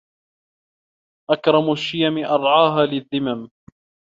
أَكْرَمُ الشِّيَمِ أَرْعَاهَا لِلذِّمَمِ